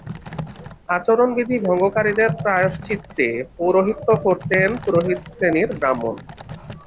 আচরণবিধি ভঙ্গকারীদের প্রায়শ্চিত্তে পৌরহিত্য করতেন পুরোহিত শ্রেণির ব্রাহ্মণ।